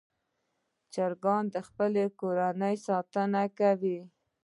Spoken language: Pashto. چرګان د خپلې کورنۍ ساتنه کوي.